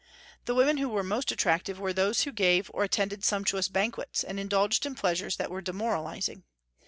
The women who were most attractive were those who gave or attended sumptuous banquets, and indulged in pleasures that were demoralizing.